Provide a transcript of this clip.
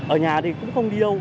ở nhà thì cũng không đi đâu